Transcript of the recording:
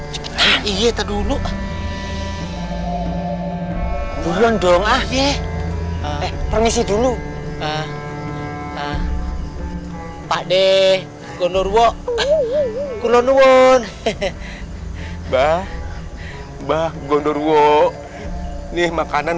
cepetan iya terduduk